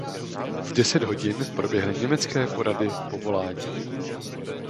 V deset hodin proběhly německé porady povolání.